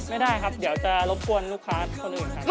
ไม่ได้ครับเดี๋ยวจะรบกวนลูกค้าคนอื่นครับ